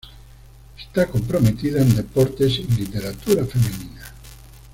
Está comprometida en deportes y literatura femenina.